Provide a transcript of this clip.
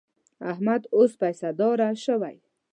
احمد اوس پیسهدار شوی.